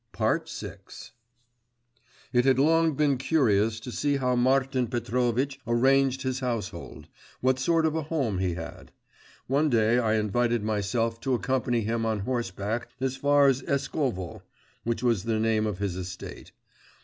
VI I had long been curious to see how Martin Petrovitch arranged his household, what sort of a home he had. One day I invited myself to accompany him on horseback as far as Eskovo (that was the name of his estate).